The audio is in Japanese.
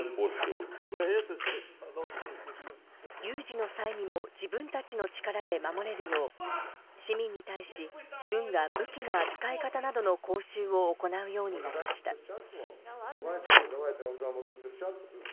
有事の際にも自分たちの力で守れるよう市民に対し軍が武器の扱い方などの講習を行うようになりました。